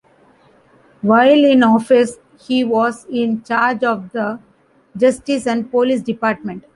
While in office he was in charge of the Justice and Police Department.